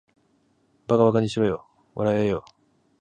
馬鹿ばかにしろよ、笑わらえよ